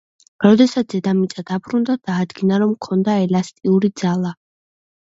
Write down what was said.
როდესაც დედამიწაზე დაბრუნდა, დაადგინა, რომ ჰქონდა ელასტიური ძალა.